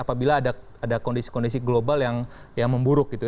apabila ada kondisi kondisi global yang memburuk gitu